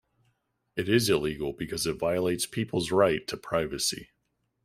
It is illegal because it violates peoples' right to privacy.